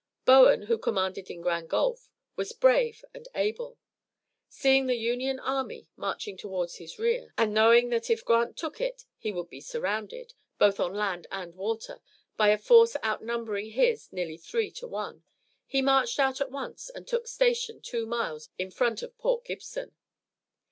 Bowen, who commanded in Grand Gulf, was brave and able. Seeing the Union army marching toward his rear, and knowing that if Grant took it he would be surrounded, both on land and water, by a force outnumbering his nearly three to one, he marched out at once and took station two miles in front of Port Gibson.